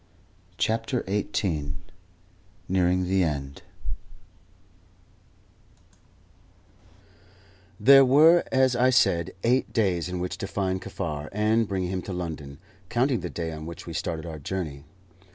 CHAPTER XVIII NEARING THE END There were, as I said, eight days in which to find Kaffar and bring him to London, counting the day on which we started our journey.